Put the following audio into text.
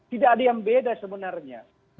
tidak ada yang beda sebenarnya